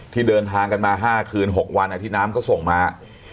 ที่เดินทางกันมาห้าคืนหกวันอ่ะที่น้ำก็ส่งมา